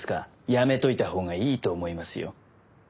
やめておいたほうがいいと思いますよ。